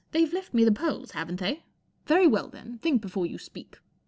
They've left me the pearls, haven't they ? Very well, then, think before you speak.